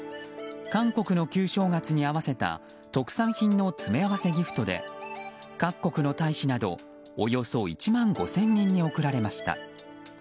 韓国の旧正月に合わせた特産品の詰め合わせギフトで各国の大使などおよそ１万５０００人に贈られました。